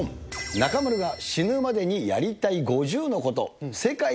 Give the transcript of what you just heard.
中丸が死ぬまでにやりたい５０のこと。